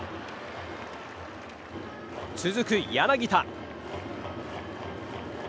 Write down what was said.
続く柳田。